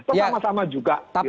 itu sama sama juga